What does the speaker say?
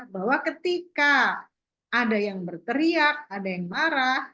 bahwa ketika ada yang berteriak ada yang marah